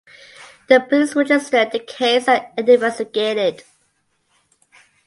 The police registered the case and investigated.